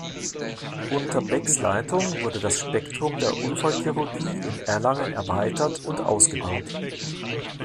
Unter Becks Leitung wurde das Spektrum der Unfallchirurgie in Erlangen erweitert und ausgebaut.